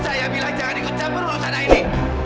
saya bilang jangan ikut campur urusan ini